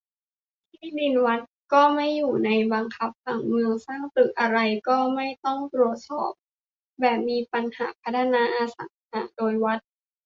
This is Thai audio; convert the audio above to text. ที่ดินวัดก็ไม่อยู่ในบังคับผังเมือง สร้างตึกอะไรก็ไม่ต้องตรวจแบบ มีปัญหาพัฒนาอสังหาโดยวัด